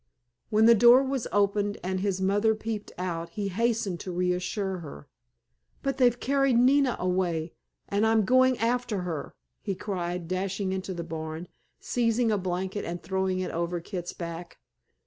When the door was opened and his mother peeped out he hastened to reassure her. "But they've carried Nina away and I am going after her," he cried, dashing into the barn, seizing a blanket, and throwing it over Kit's back.